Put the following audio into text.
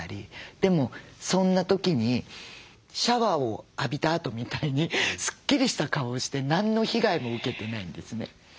でもそんな時にシャワーを浴びたあとみたいにスッキリした顔して何の被害も受けてないんですね。